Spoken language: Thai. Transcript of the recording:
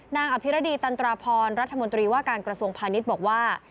อภิรดีตันตราพรรัฐมนตรีว่าการกระทรวงพาณิชย์บอกว่า